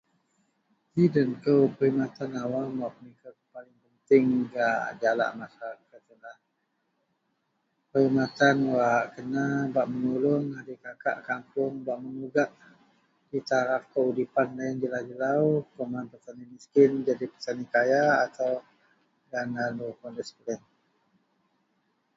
Ji den kou pehidmatan awam… [unintelligible] wak paling penting gak jalak masarakat adalah pehidmatan wak kena bak menuluong adikakak kapuong bak menugak ji cara kehidupan loyen jelau-jelau kuman petani miskin jadi kaya atau… [unintelligible]